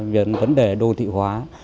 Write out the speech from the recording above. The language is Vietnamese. vấn đề đô thị hóa